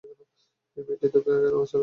এই মেয়েটি তোকে কেন বাঁচালো?